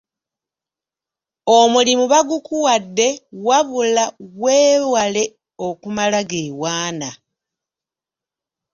Omulimu bagukuwadde wabula weewale okumalageewaana.